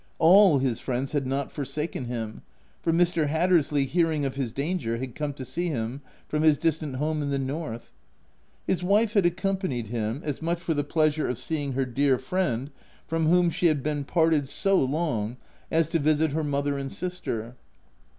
All his friends had not forsaken him, for Mr. Hatters ley, hearing of his danger, had come to see him from his distant home in the north. His wife had accompanied him, as much for the pleasure of seeing her dear friend, from whom she had 238 THE TENANT been parted so long, as to visit her mother and sister.